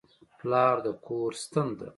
پلار د کور ستن ده.